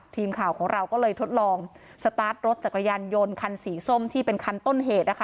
ทีมข่าวของเราก็เลยทดลองสตาร์ทรถจักรยานยนต์คันสีส้มที่เป็นคันต้นเหตุนะคะ